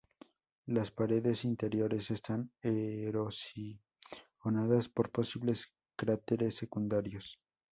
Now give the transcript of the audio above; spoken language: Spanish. Las paredes interiores están erosionadas por posibles cráteres secundarios.